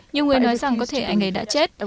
nhiều người nói rằng có thể anh ấy đã chết